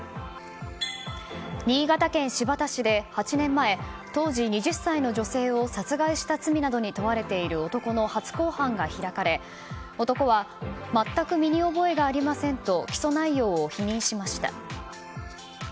新潟県新発田市で８年前当時２０歳の女性を殺害した罪などに問われている男の初公判が開かれ男は全く身に覚えがありませんと起訴内容を否認しました。